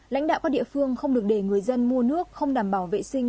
lãnh đạo các địa phương không được để người dân mua nước không đảm bảo vệ sinh